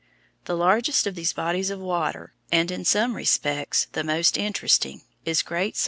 The largest of these bodies of water, and in some respects the most interesting, is Great Salt Lake.